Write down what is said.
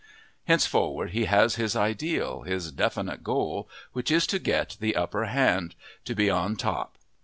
Henceforward he has his ideal, his definite goal, which is to get the upper hand to be on top.